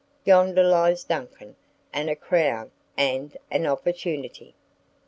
yonder lies Duncan, and a crown, and an opportunity."